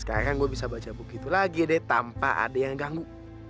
sekarang gue bisa baca begitu lagi deh tanpa ada yang ganggu